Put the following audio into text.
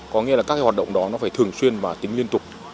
có nghĩa là các hoạt động đó phải thường xuyên và tính liên tục